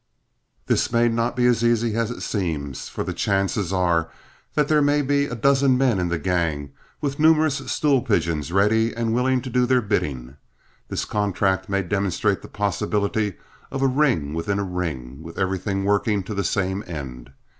This may not be as easy as it seems, for the chances are that there may be a dozen men in the gang, with numerous stool pigeons ready and willing to do their bidding. This contract may demonstrate the possibility of a ring within a ring, with everything working to the same end.